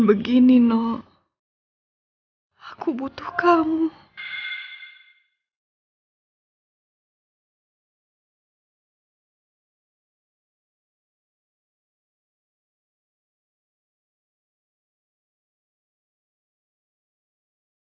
baik kita akan berjalan